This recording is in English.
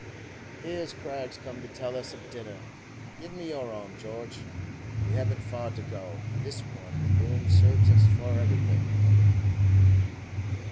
Here 's Craggs come to tell us of dinner; give me your arm, George, we haven't far to go this one room serves us for everything."